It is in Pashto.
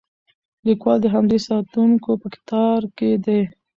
لیکوال د همدې ساتونکو په کتار کې دی.